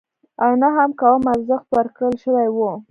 او نه هم کوم ارزښت ورکړل شوی وو.